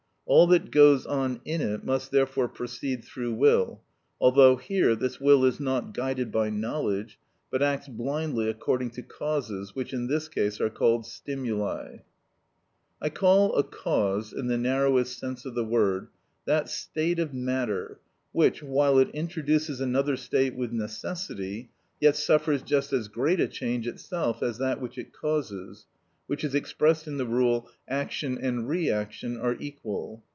All that goes on in it must therefore proceed through will, although here this will is not guided by knowledge, but acts blindly according to causes, which in this case are called stimuli. I call a cause, in the narrowest sense of the word, that state of matter, which, while it introduces another state with necessity, yet suffers just as great a change itself as that which it causes; which is expressed in the rule, "action and reaction are equal."